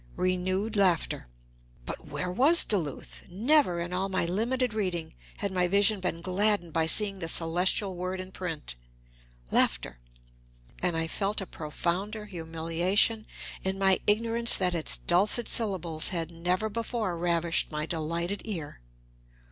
(Renewed laughter.) But where was Duluth? Never, in all my limited reading, had my vision been gladdened by seeing the celestial word in print. And I felt a profounder humiliation in my ignorance that its dulcet syllables had never before ravished my delighted ear.